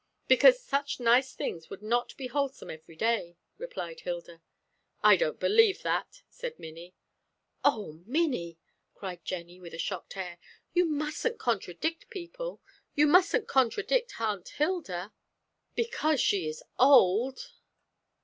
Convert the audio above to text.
"Because such nice things would not be wholesome every day," replied Hilda. "I don't believe that," said Minnie. "O Minnie!" cried Jennie, with a shocked air. "You mustn't contradict people. You mustn't contradict Aunt Hilda, because she is old."